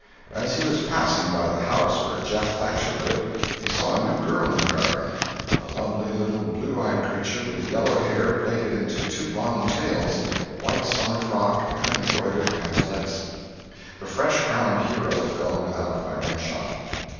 As he was passing by the house where Jeff Thatcher lived, he saw a new girl in the garden—a lovely little blue eyed creature with yellow hair plaited into two long tails, white summer frock and embroidered pan talettes. The fresh crowned hero fell without firing a shot.